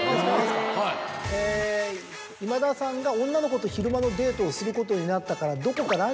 「今田さんが女の子と昼間のデートをすることになったからどこか」。